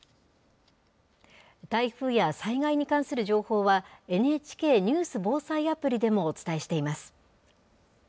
台風や災害に関する情報は、ＮＨＫニュース・防災アプリでもお伝えしています。